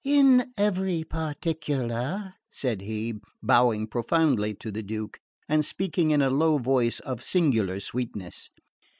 "In every particular," said he, bowing profoundly to the Duke, and speaking in a low voice of singular sweetness.